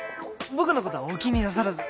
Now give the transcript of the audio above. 僕のことはお気になさらず。